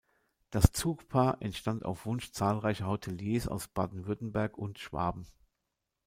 Das Zugpaar entstand auf Wunsch zahlreicher Hoteliers aus Baden-Württemberg und Schwaben.